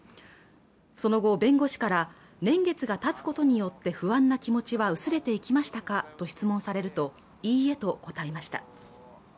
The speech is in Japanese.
その後弁護士から年月がたつことによって不安な気持ちは薄れていきましたかと質問されるといいえと答えました